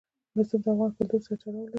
رسوب د افغان کلتور سره تړاو لري.